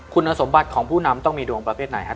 คุณสมบัติของผู้นำต้องมีดวงประเภทไหนฮะ